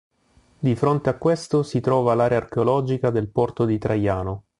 Di fronte a questo si trova l'area archeologica del Porto di Traiano.